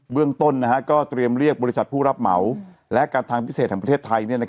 เรื่องต้นก็เตรียมเรียกบริษัทผู้รับเหมาและการทางพิเศษแห่งประเทศไทย